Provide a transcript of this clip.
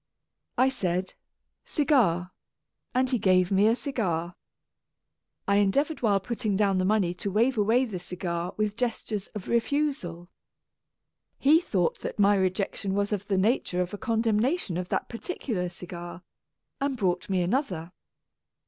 I said "cigar," and he gave me a cigar. I endeavoured while putting down the money to wave away the cigar with gestures of refusal. He thought that my rejection was of the nature of a con demnation of that particular cigar, and brought me another.